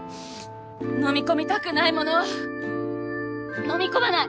のみ込みたくないものはのみ込まない。